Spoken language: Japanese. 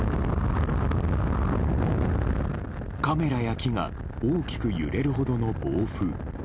カメラや木が大きく揺れるほどの暴風。